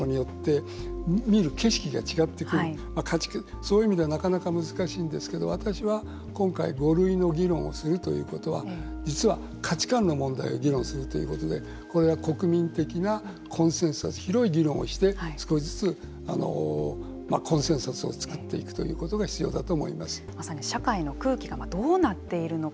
そういう意味ではなかなか難しいんですけれども私は今回５類の議論をするということは実は価値観の問題を議論するということでこれは国民的なコンセンサス広い議論をして少しずつコンセンサスを作っていくということがまさに社会の空気がどうなっているのか。